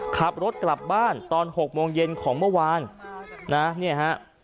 ขับรถกลับบ้านตอน๖โมงเย็นของเมื่อวานนะเนี่ยฮะ